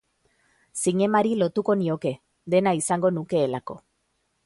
Zinemari lotuko nioke, dena izango nukeelako.